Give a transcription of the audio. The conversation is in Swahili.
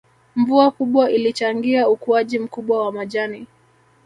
Mvua kubwa ilichangia ukuaji mkubwa wa majani